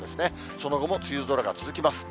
その後も梅雨空が続きます。